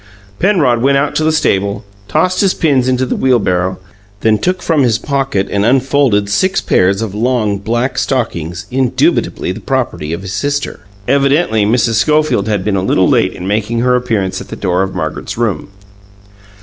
Penrod went out to the stable, tossed his pins into the wheelbarrow, then took from his pocket and unfolded six pairs of long black stockings, indubitably the property of his sister. (Evidently Mrs. Schofield had been a little late in making her appearance at the door of Margaret's room.)